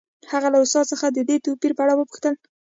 هغه له استاد څخه د دې توپیر په اړه وپوښتل